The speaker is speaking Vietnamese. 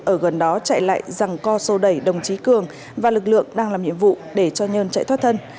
ở gần đó chạy lại rằng co sâu đẩy đồng chí cường và lực lượng đang làm nhiệm vụ để cho nhân chạy thoát thân